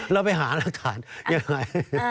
เราไปหารักฐานยังไง